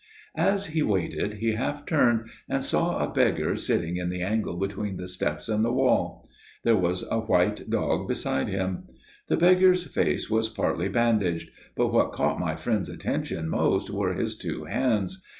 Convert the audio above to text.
"As he waited, he half turned and saw a beggar sitting in the angle between the steps and the wall. There was a white dog beside him. The beggar's face was partly bandaged; but what caught my friend's attention most were his two hands.